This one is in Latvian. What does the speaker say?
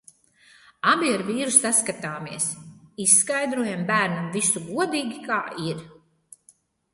Abi ar vīru saskatāmies. Izskaidrojam bērnam visu godīgi, kā ir.